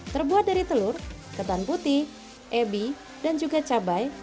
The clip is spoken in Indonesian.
terbuat dari telur ketan putih ebi dan juga cabai